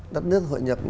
đất nước hội nhập